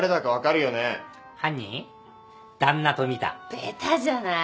ベタじゃない？